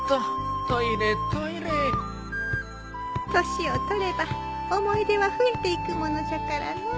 年を取れば思い出は増えていくものじゃからのう。